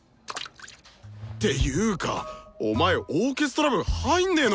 ていうかお前オーケストラ部入んねえのかよ！